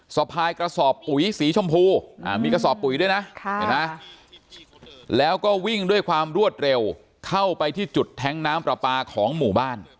สะพายกระสอบปุ๋ยสีชมพูมีกระสอบปุ๋ยด้วยนะเห็นไหมแล้วก็วิ่งด้วยความรวดเร็วเข้าไปที่จุดแท้งน้ำปลาปลาของหมู่บ้าน